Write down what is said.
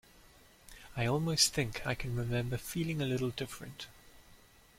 I almost think I can remember feeling a little different.